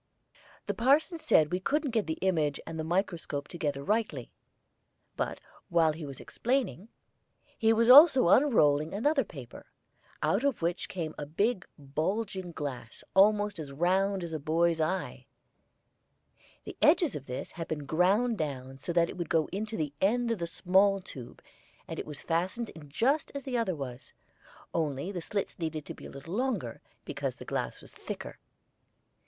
The parson said we couldn't get the image and the microscope together rightly; but while he was explaining, he was also unrolling another paper, out of which came a big bulging glass almost as round as a boy's eye. The edges of this had been ground down so that it would go into the end of the small tube, and it was fastened in just as the other was, only the slits needed to be a little longer, because the glass was thicker.